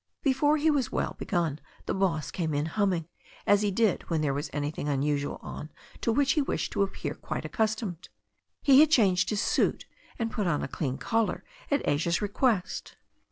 Before he was well begun the boss came in htunming, as he did when there was anything unusual on to which he wished to appear quite accustomed. He had changed his suit and put on a clean collar at Asia's request.